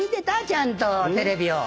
ちゃんとテレビを。